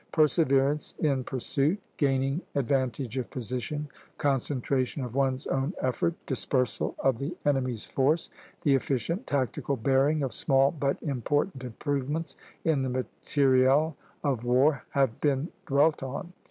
Perseverance in pursuit, gaining advantage of position, concentration of one's own effort, dispersal of the enemy's force, the efficient tactical bearing of small but important improvements in the material of war, have been dwelt on.